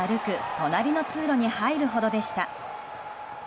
隣の通路に入るほどでした。